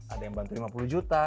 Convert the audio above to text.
ada yang bantu lima puluh juta